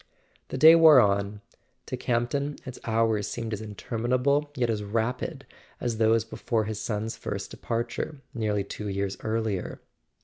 The day wore on. To Campton its hours seemed as interminable yet as rapid as those before his son's first departure, nearly two years earlier.